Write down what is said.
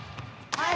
はい！